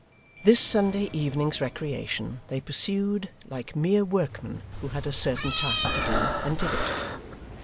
This Sunday evening's recreation they pursued like mere workmen who had a certain task to do, and did it.